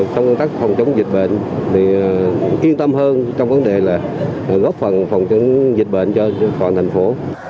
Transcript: công tác phòng chống dịch bệnh thì yên tâm hơn trong vấn đề là góp phần phòng chống dịch bệnh cho toàn thành phố